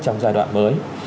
trong giai đoạn mới